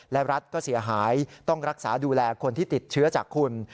และรัฐก็เสียหายต้องรักษาดูแลคนที่ติดเชื้อจากคุณ